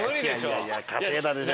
いやいや稼いだでしょ